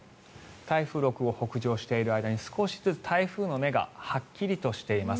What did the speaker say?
台風６号、北上している間に少しずつ台風の目がはっきりしてきています。